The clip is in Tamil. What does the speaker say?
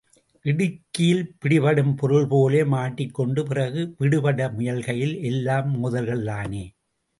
இடுக்கியில் பிடிபடும் பொருள் போல மாட்டிக்கொண்டு, பிறகு விடுபட முயல்கையில் எல்லாம் மோதல்கள்தானே!